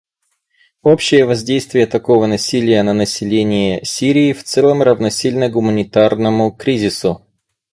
Общее воздействие такого насилия на население Сирии в целом равносильно гуманитарному кризису.